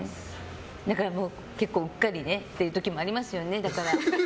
だから結構うっかりねっていう時もありますよね。